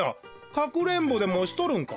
かくれんぼでもしとるんか？